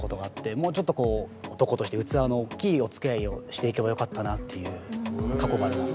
もうちょっとこう男として器の大きいお付き合いをしていけばよかったなっていう過去があります。